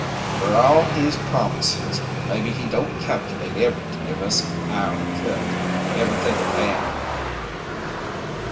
"Fer all his promises, maybe he don't calculate ever to give us our cut! Ever think o' that?"